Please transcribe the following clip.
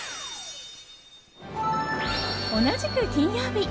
同じく金曜日。